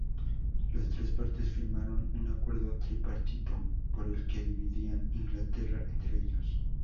Las tres partes firmaron un Acuerdo Tripartito por el que dividían Inglaterra entre ellos.